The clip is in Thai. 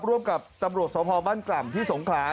ร่วมกับตำรวจสพบ้านกล่ำที่สงขลา